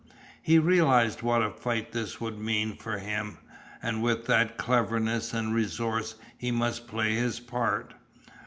He realized what a fight this would mean for him, and with what cleverness and resource he must play his part.